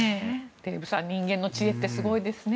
デーブさん人間の知恵ってすごいですね。